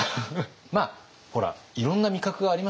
まあほらいろんな味覚がありますよね。